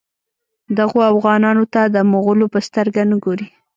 دغو اوغانانو ته د مغولو په سترګه نه ګوري.